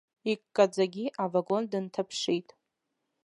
Иккаӡагьы авагон дынҭаԥшит.